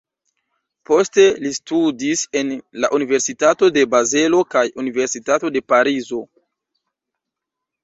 Poste li studis en la Universitato de Bazelo kaj Universitato de Parizo.